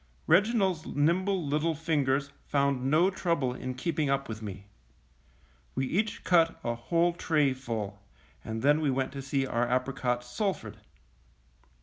Reginald's nimble little fingers found no trouble in keeping up with me. We each cut a whole tray full, and then we went to see our apricots sulphured.